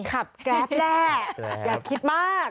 กราฟแน่อยากคิดมาก